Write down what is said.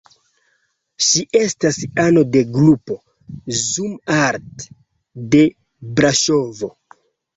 Ŝi estas ano de grupo "Zoom-art" de Braŝovo.